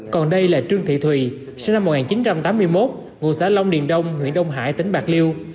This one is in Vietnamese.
còn đây là trương thị thùy sinh năm một nghìn chín trăm tám mươi một ngụ xã long điền đông huyện đông hải tỉnh bạc liêu